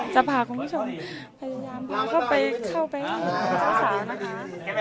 จะพากับคุณผู้ชมพยายามพาเข้าไปช่องสาวนะคะ